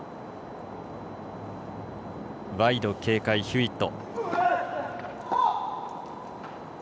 ワイド警戒、ヒューウェット。